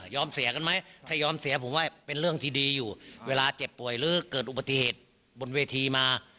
เสียกันไหมถ้ายอมเสียผมว่าเป็นเรื่องที่ดีอยู่เวลาเจ็บป่วยหรือเกิดอุบัติเหตุบนเวทีมา